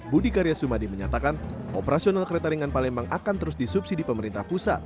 budi karya sumadi menyatakan operasional kereta ringan palembang akan terus disubsidi pemerintah pusat